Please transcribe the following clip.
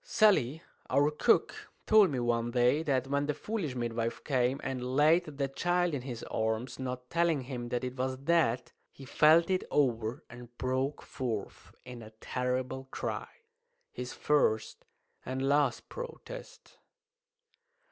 Sally, our cook, told me one day that when the foolish midwife came and laid the child in his arms, not telling him that it was dead, he felt it over and broke forth in a terrible cry his first and last protest.